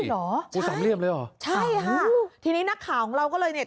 เหรอโอ้สามเหลี่ยมเลยเหรอใช่ค่ะทีนี้นักข่าวของเราก็เลยเนี่ย